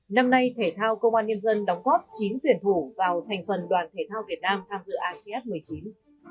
năm nay thể thao công an nhân dân đóng góp chín tuyển thủ vào thành phần đoàn thể thao việt nam tham dự asean một mươi chín